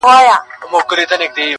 • هر انسان خپل حقيقت لټوي تل,